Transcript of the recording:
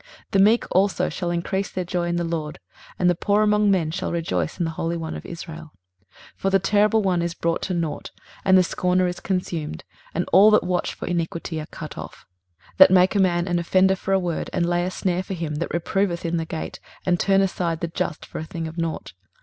23:029:019 The meek also shall increase their joy in the LORD, and the poor among men shall rejoice in the Holy One of Israel. 23:029:020 For the terrible one is brought to nought, and the scorner is consumed, and all that watch for iniquity are cut off: 23:029:021 That make a man an offender for a word, and lay a snare for him that reproveth in the gate, and turn aside the just for a thing of nought.